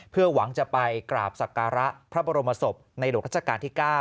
เพื่อหวังจะไปกราบศักระพระบรมศพในหลวงราชการที่๙